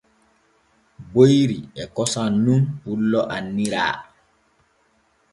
Boyri e kosam nun pullo anniara.